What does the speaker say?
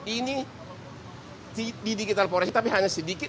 ini di digital forensik tapi hanya sedikit